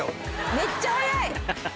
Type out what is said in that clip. めっちゃ早い。